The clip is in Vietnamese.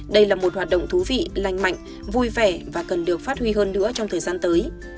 đây là một hoạt động thú vị lành mạnh vui vẻ và cần được phát huy hơn nữa trong thời gian tới